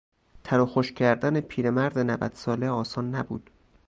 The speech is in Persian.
تر و خشک کردن پیر مرد نود ساله آسان نبود.